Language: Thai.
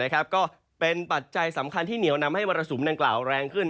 ก็เป็นปัจจัยสำคัญที่เหนียวนำให้มรสุมดังกล่าวแรงขึ้น